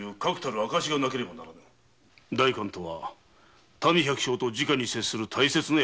代官とは民百姓とじかに接する大切な役職。